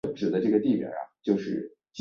索利耶尔。